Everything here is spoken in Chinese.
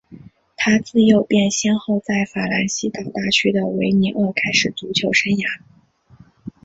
他自幼便先后在法兰西岛大区的维尼厄开始足球生涯。